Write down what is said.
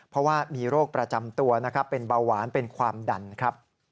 เพราะว่ามีโรคประจำตัวนะครับเป็นเบาหวานเป็นความดันครับ